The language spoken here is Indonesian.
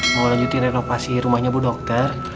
mau lanjuti renovasi rumahnya bu dokter